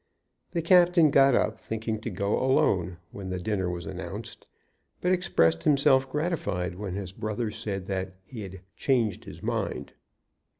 The captain got up, thinking to go alone when the dinner was announced, but expressed himself gratified when his brother said that he "had changed his mind."